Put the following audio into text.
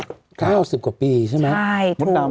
๙๐กว่าปีใช่ไหม